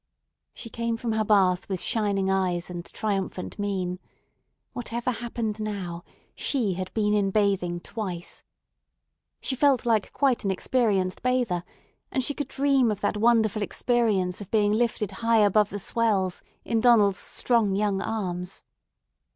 She came from her bath with shining eyes and triumphant mien. Whatever happened now, she had been in bathing twice. She felt like quite an experienced bather, and she could dream of that wonderful experience of being lifted high above the swells in Donald's strong young arms.